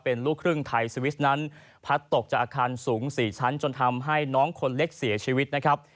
เป็นลูกครึ่งไทยสวิสนั้นพัดตกจากอาคารสูง๔ชั้นจนทำให้น้องคนเล็กเสียชีวิตนะครับ